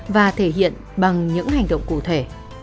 và thể hiện bằng những hành động kinh tế